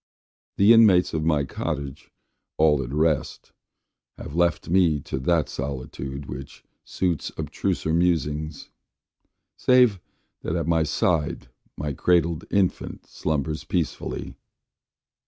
The inmates of my cottage, all at rest, Have left me to that solitude, which suits Abstruser musings: save that at my side My cradled infant slumbers peacefully.